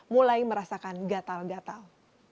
mulai merasakan gatal gatal